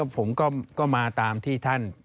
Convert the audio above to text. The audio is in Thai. ผมก็มาตามที่ท่าน